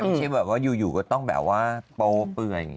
ที่แบบว่าอยู่ก็ต้องแบบว่าโปเปื่อย